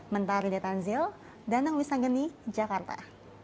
mentari detanzil danang wisanggeni jakarta